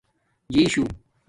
جیشُو